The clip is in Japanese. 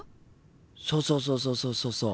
そうそうそうそうそうそうそう！